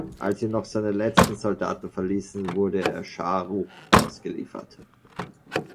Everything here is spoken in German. Als ihn noch seine letzten Soldaten verließen, wurde er Schah Ruch ausgeliefert.